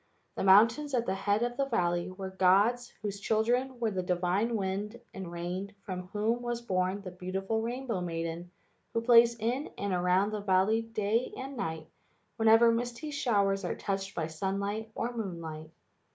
The mountains at the head of the valley were gods whose children were the divine wind and rain from whom was born the beautiful rainbow maiden who plays in and around the valley day and night whenever misty showers are touched by sunlight or moonlight.